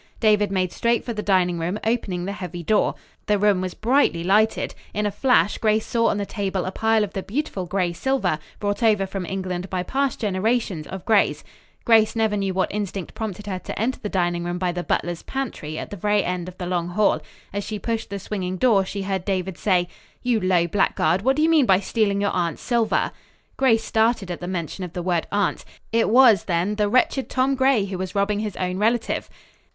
David made straight for the dining room, opening the heavy door. The room was brightly lighted. In a flash, Grace saw on the table a pile of the beautiful Gray silver, brought over from England by past generations of Grays. Grace never knew what instinct prompted her to enter the dining room by the butler's pantry at the very end of the long hall. As she pushed the swinging door, she heard David say: "You low blackguard, what do you mean by stealing your aunt's silver?" Grace started at the mention of the word "aunt." It was, then, the wretched Tom Gray who was robbing his own relative!